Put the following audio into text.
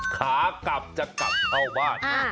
ขากลับจะกลับเข้าบ้าน